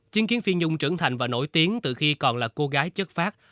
chứng kiến phi nhung trưởng thành và nổi tiếng từ khi còn là cô gái chất phát